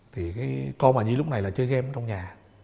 thì cái con mà nhi lúc này là chơi game trong nhà